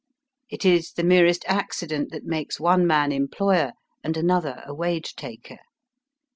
It is the merest accident that makes one man employer and another a wage taker.